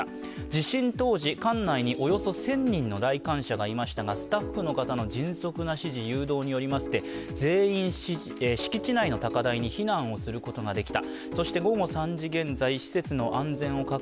地震当時、館内におよそ１０００人の来館者がいましたがスタッフの方の迅速な指示、誘導におきまして、全員、敷地内の高台に避難をすることができた。